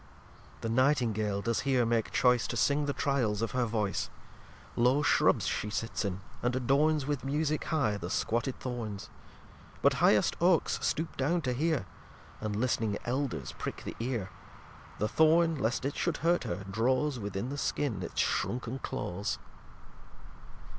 lxv The Nightingale does here make choice To sing the Tryals of her Voice. Low Shrubs she sits in, and adorns With Musick high the squatted Thorns. But highest Oakes stoop down to hear, And listning Elders prick the Ear. The Thorn, lest it should hurt her, draws Within the Skin its shrunken claws.